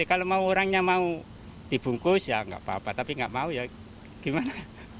kalau orangnya mau dibungkus ya gak apa apa tapi gak mau ya gimana